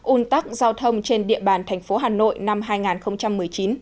un tắc giao thông trên địa bàn tp hà nội năm hai nghìn một mươi chín